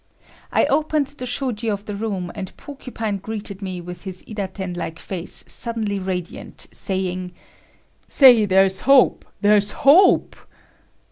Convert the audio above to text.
I opened the shoji of the room and Porcupine greeted me with his Idaten like face suddenly radiant, saying: "Say, there's hope! There's hope!"